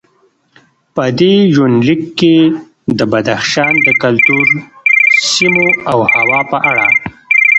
په دې یونلیک کې د بدخشان د کلتور، سیمو او هوا په اړه